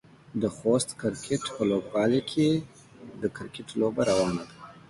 د خوست کرکټ په لوبغالي کې د کرکټ لوبه روانه ده.